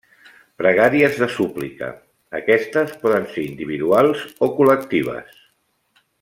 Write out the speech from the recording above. Pregàries de súplica, aquestes poden ser individuals o col·lectives.